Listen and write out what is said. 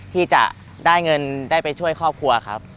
ที่จะได้เงินได้ไปช่วยครอบครัวครับ